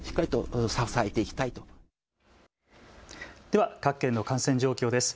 では各県の感染状況です。